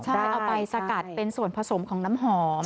ใช่เอาไปสกัดเป็นส่วนผสมของน้ำหอม